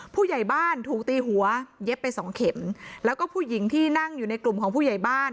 ผู้ใหญ่บ้านถูกตีหัวเย็บไปสองเข็มแล้วก็ผู้หญิงที่นั่งอยู่ในกลุ่มของผู้ใหญ่บ้าน